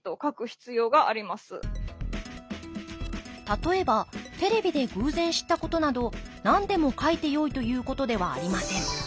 例えばテレビで偶然知ったことなど何でも書いてよいということではありません。